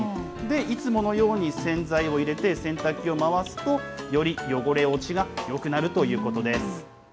いつものように洗剤を入れて洗濯機を回すと、より汚れ落ちがよくなるということです。